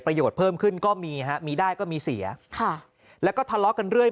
ประโยชน์เพิ่มขึ้นก็มีมีได้ก็มีเสียแล้วก็ทะเลาะกันเรื่อย